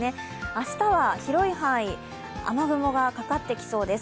明日は広い範囲、雨雲がかかってきそうです。